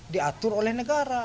diatur oleh negara